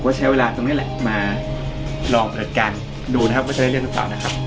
ผมก็ใช้เวลาตรงนี้แหละมาลองเป็นอย่างการดูนะครับไม่รู้มันจะได้เรื่องหรือเปล่านะครับ